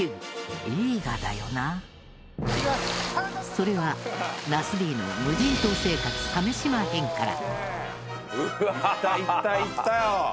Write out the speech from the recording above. それは「ナスＤの無人島生活鮫島編」から。